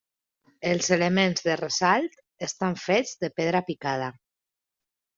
Els elements de ressalt estan fets de pedra picada.